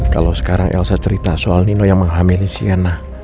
kalau sekarang elsa cerita soal nino yang menghamilin sienna